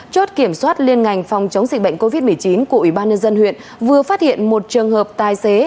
chốt kiểm soát liên ngành phòng chống dịch bệnh covid một mươi chín của ủy ban nhân dân huyện vừa phát hiện một trường hợp tài xế